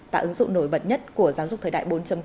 và ứng dụng nổi bật nhất của giáo dục thời đại bốn